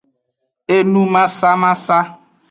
Enumasamasa.